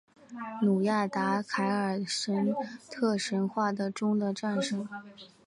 努亚达凯尔特神话中的战神。